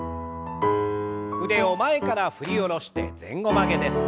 腕を前から振り下ろして前後曲げです。